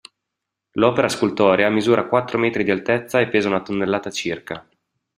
L'opera scultorea misura quattro metri di altezza e pesa una tonnellata circa.